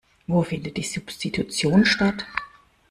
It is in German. Wo findet die Substitution statt?